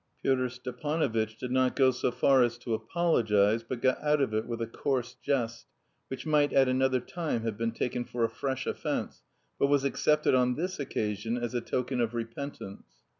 Pyotr Stepanovitch did not go so far as to apologise, but got out of it with a coarse jest, which might at another time have been taken for a fresh offence, but was accepted on this occasion as a token of repentance.